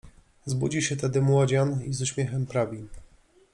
Zbudził się tedy młodzian i z uśmiechem prawi: